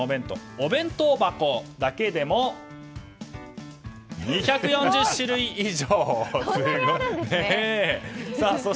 お弁当箱だけでも２４０種類以上。